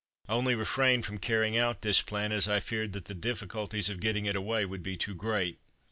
I only refrained from carrying out this plan as I feared that the difficulties of getting it away would be too great.